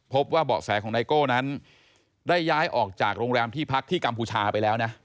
เบาะแสของไนโก้นั้นได้ย้ายออกจากโรงแรมที่พักที่กัมพูชาไปแล้วนะ